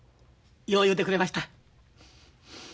よう言うてくれました。